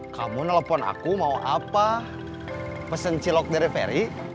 kamu telepon aku mau apa pesen cilok dari ferry